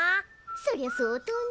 そりゃ相当ね。